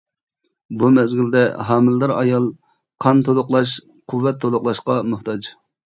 بۇ مەزگىلدە ھامىلىدار ئايال قان تولۇقلاش، قۇۋۋەت تولۇقلاشقا موھتاج.